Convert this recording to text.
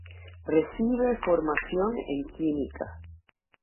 Recibe formación en química.